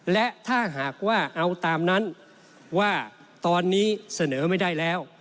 และถ้าหากว่าเอาตามนั้นว่าตอนนี้เสนอไม่ได้แล้ว